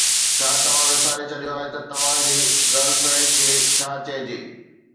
ڇا توهان وساري ڇڏيو آهي ته توهان جي گرل فرينڊ کي ڇا چئجي؟